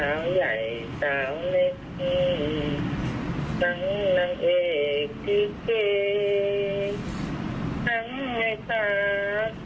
มันเป็นคุณหมอเมื่อคืนน่ะคุณพยาบาลเมื่อคืนน่ะ